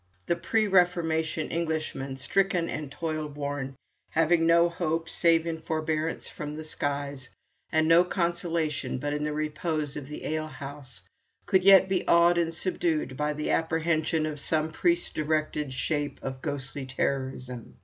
The pre Reformation Englishman, stricken and toil worn, having no hope save in forbearance from the skies, and no consolation but in the repose of the ale house, could yet be awed and subdued by the apprehension of some priest directed shape of ghostly terrorism.